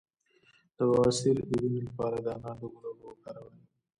د بواسیر د وینې لپاره د انار د ګل اوبه وکاروئ